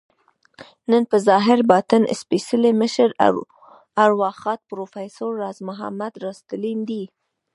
نن په ظاهر ، باطن سپیڅلي مشر، ارواښاد پروفیسر راز محمد راز تلين دی